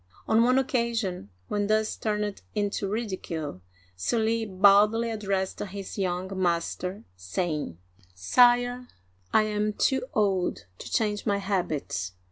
On one occasion, when thus turned into ridicule. Sully boldly addressed his young master, saying :" Sire, I am too old to change my habits.